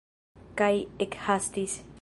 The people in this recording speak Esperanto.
Kaj ekhastis.